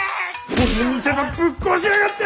俺の見せ場ぶっ壊しやがって！